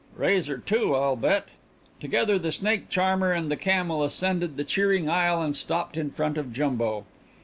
"Razor, too, I'll bet!" Together the snake charmer and the camel ascended the cheering aisle and stopped in front of Jumbo.